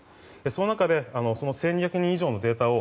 その中で１２００人以上のデータを